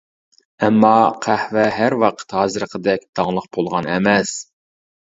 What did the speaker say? ئەمما، قەھۋە ھەر ۋاقىت ھازىرقىدەك داڭلىق بولغان ئەمەس.